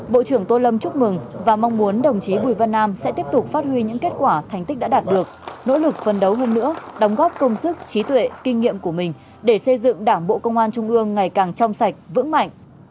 bộ trưởng tô lâm chúc mừng và mong muốn đồng chí bùi văn nam sẽ tiếp tục phát huy những kết quả thành tích đã đạt được nỗ lực phân đấu hơn nữa đóng góp công sức trí tuệ kinh nghiệm của mình để xây dựng đảng bộ công an trung ương ngày càng trong sạch vững mạnh